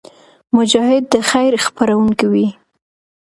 مجاهد د خیر خپرونکی وي.